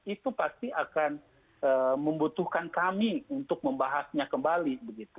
itu pasti akan membutuhkan kami untuk membahasnya kembali